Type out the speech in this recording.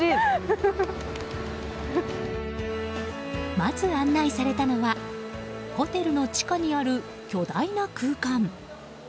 まず案内されたのはホテルの地下にある巨大な空間。